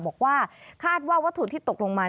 บอกว่าคาดว่าวัตถุที่ตกลงมา